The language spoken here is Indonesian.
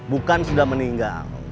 bukan sudah meninggal